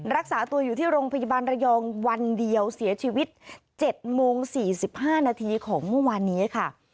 รักษาตัวอยู่ที่โรงพยาบาลระยองวันเดียวเสียชีวิต๗โมง๔๕นาทีของเมื่อวานนี้ค่ะ